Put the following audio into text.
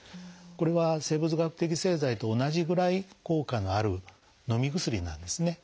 これは生物学的製剤と同じぐらい効果のあるのみ薬なんですね。